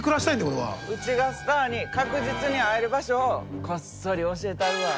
うちがスターに確実に会える場所をこっそり教えたるわ。